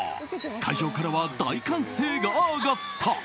会場からは大歓声が上がった。